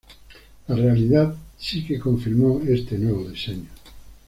La realidad sí que confirmó este nuevo diseño.